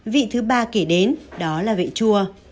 vị thứ ba kể đến đó là vị chua